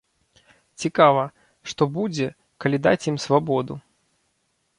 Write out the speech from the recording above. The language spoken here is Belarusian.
Цікава, што будзе, калі даць ім свабоду?